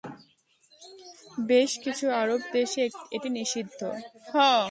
বেশ কিছু আরব দেশে এটি নিষিদ্ধ।